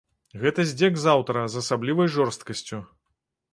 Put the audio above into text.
Гэта здзек з аўтара з асаблівай жорсткасцю.